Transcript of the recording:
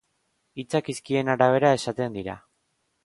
Hitzak hizkien arabera esaten dira.